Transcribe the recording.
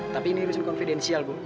tapi ini rusun konfidensial bu